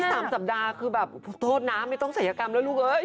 สามสัปดาห์คือแบบโทษนะไม่ต้องศัยกรรมแล้วลูกเอ้ย